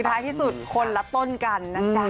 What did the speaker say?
ท้ายที่สุดคนละต้นกันนะจ๊ะ